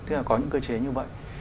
thế là có những cơ chế như vậy